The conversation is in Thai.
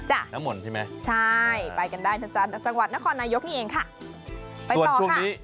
จ้ะใช่ไปกันได้นะจ๊ะจังหวัดนครนายกนี่เองค่ะไปต่อค่ะ